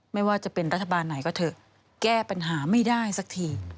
ไม่ว่าจะเป็นรัฐบาลไหนก็เถอะแก้ปัญหาไม่ได้สักที